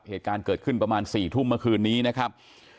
เหตุการณ์เกิดขึ้นประมาณ๔ทุ่มเมื่อคืนนี้นะครับ